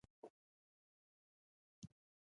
ما له دوکانه نوی پیاله واخیسته.